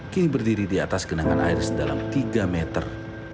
kini berdiri di atas genangan air sedalam tiga meter